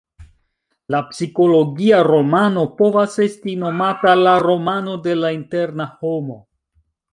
La psikologia romano povas esti nomata la romano de la "interna homo".